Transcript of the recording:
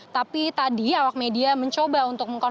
tapi tadi awak media ia mengatakan bahwa dia tidak ada kesalahan